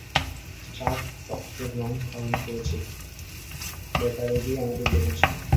চাঁদ রক্তের রঙ ধারণ করেছে বেটারবি আমাদের দেখছে।